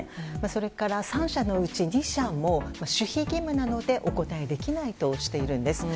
それから３社のうち２社も守秘義務なのでお答えできないとしているんです。